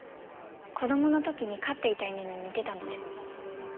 子供の時に飼っていた犬に似てたので。